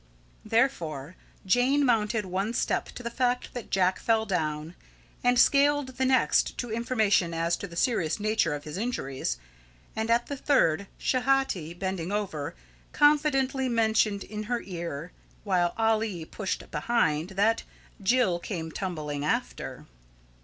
Therefore Jane mounted one step to the fact that Jack fell down, and scaled the next to information as to the serious nature of his injuries, and at the third, Schehati, bending over, confidentially mentioned in her ear, while Ali shoved behind, that "Jill came tumbling after."